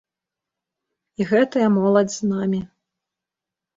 І гэтая моладзь з намі.